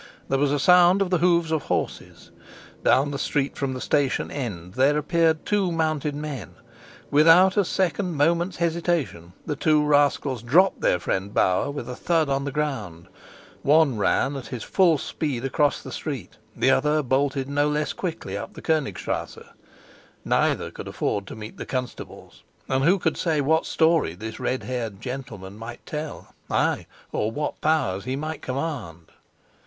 There was a sound of the hoofs of horses. Down the street from the station end there appeared two mounted men. Without a second moment's hesitation the two rascals dropped their friend Bauer with a thud on the ground; one ran at his full speed across the street, the other bolted no less quickly up the Konigstrasse. Neither could afford to meet the constables; and who could say what story this red haired gentleman might tell, ay, or what powers he might command?